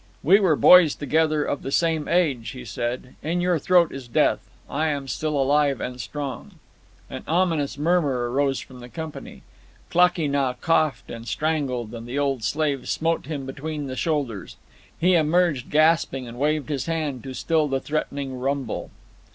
"We were boys together, of the same age," he said. "In your throat is death. I am still alive and strong." An ominous murmur arose from the company. Klakee Nah coughed and strangled, and the old slaves smote him between the shoulders. He emerged gasping, and waved his hand to still the threatening rumble.